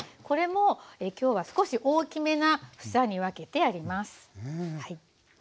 これも今日は少し大きめな房に分けてあります。